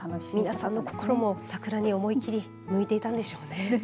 皆さんの心も桜に思い切り向いていたんでしょうね。